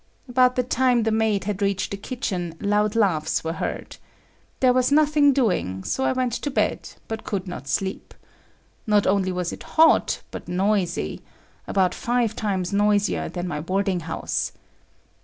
About the time the maid had reached the kitchen, loud laughs were heard. There was nothing doing, so I went to bed, but could not sleep. Not only was it hot, but noisy,—about five times noisier than my boarding house.